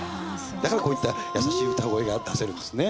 だからこういった優しい歌声が出せるんですね。